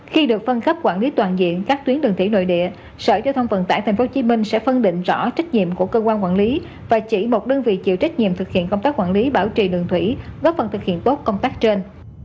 khi được phân cấp quản lý toàn diện các tuyến đường thủy nội địa sở giao thông vận tải tp hcm sẽ phân định rõ trách nhiệm của cơ quan quản lý và chỉ một đơn vị chịu trách nhiệm thực hiện công tác quản lý bảo trì đường thủy góp phần thực hiện tốt công tác trên